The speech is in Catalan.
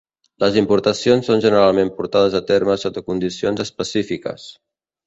Les importacions són generalment portades a terme sota condicions específiques.